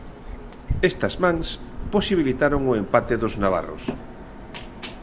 Estas mans, posibilitaron o empate dos navarros.